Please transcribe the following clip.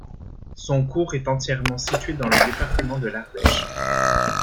Son cours est entièrement situé dans le département de l'Ardèche.